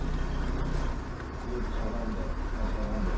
ぐっとしゃがんでしゃがんで。